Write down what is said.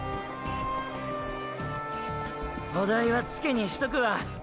お代はツケにしとくわ。